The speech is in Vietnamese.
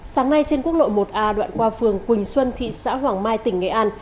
sáng nay trên quốc lộ một a đoạn qua phường quỳnh xuân thị xã hoàng mai tỉnh nghệ an